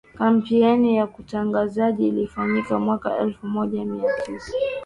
kampeini ya utangazaji ilifanyika mwaka elfu moja mia tisa